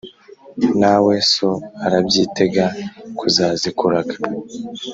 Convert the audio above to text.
Na we so arabyitega kuzazikuraga.